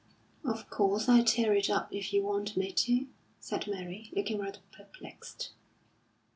"Of course, I'll tear it up if you want me to," said Mary, looking rather perplexed.